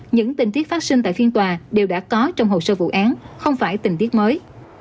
những tình tiết phát sinh tại phiên tòa đều đã có trong hồ sơ vụ án không phải tình tiết mới